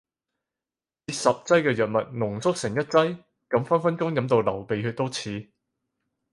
以十劑嘅藥物濃縮成一劑？咁分分鐘飲到流鼻血都似